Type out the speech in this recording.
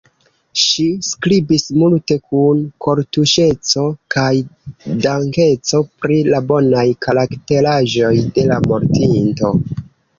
Ŝi skribis multe, kun kortuŝeco kaj dankeco, pri la bonaj karakteraĵoj de la mortinto.